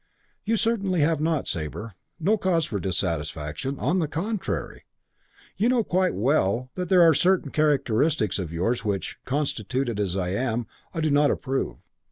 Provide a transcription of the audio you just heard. "You certainly have not, Sabre. No cause for dissatisfaction. On the contrary. You know quite well that there are certain characteristics of yours of which, constituted as I am, I do not approve.